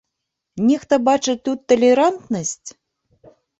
Нехта бачыць тут талерантнасць?